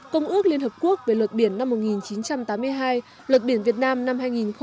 công ước liên hợp quốc về luật biển năm một nghìn chín trăm tám mươi hai luật biển việt nam năm hai nghìn một mươi hai